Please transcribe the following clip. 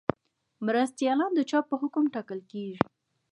مرستیالان د چا په حکم ټاکل کیږي؟